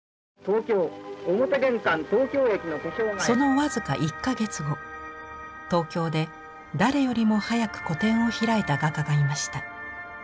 その僅か１か月後東京で誰よりも早く個展を開いた画家がいました。